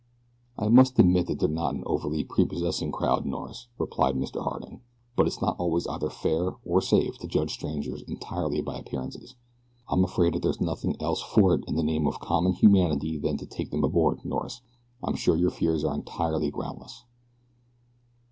"I must admit that they're not an overly prepossessing crowd, Norris," replied Mr. Harding. "But it's not always either fair or safe to judge strangers entirely by appearances. I'm afraid that there's nothing else for it in the name of common humanity than to take them aboard, Norris. I'm sure your fears are entirely groundless."